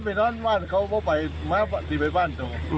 ไปนอนบ้านเขามาถีบไปบ้าน